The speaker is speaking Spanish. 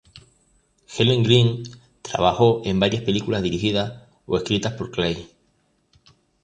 Helen Greene trabajó en varias películas dirigidas o escritas por Clay.